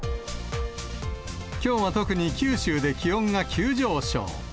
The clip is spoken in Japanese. きょうは特に九州で気温が急上昇。